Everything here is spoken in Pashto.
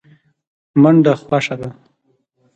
منډه خوښه ده.